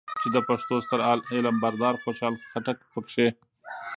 چې د پښتو ستر علم بردار خوشحال خټک پکې